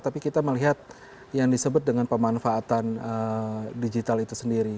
tapi kita melihat yang disebut dengan pemanfaatan digital itu sendiri